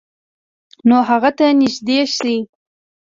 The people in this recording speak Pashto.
نو هغه ته نږدې شئ،